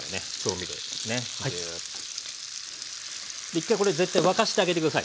一回これ絶対沸かしてあげて下さい。